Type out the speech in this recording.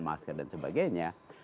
masker dan sebagainya